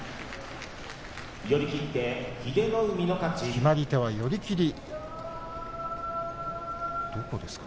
決まり手は寄り切りです。